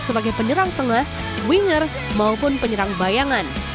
sebagai penyerang tengah winger maupun penyerang bayangan